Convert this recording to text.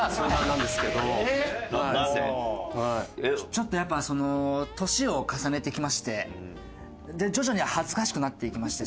ちょっとやっぱ年を重ねてきまして徐々に恥ずかしくなっていきまして。